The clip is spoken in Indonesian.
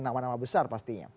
nama nama besar pastinya